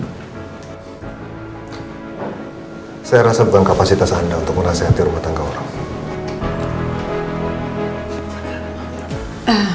hai saya rasa bukan kapasitas anda untuk merasakan rumah tangga orangnya